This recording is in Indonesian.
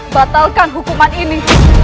batalkan hukuman ini